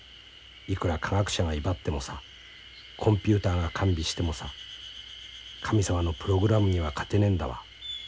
いくら科学者が威張ってもさコンピューターが完備してもさ神様のプログラムには勝てねんだわ。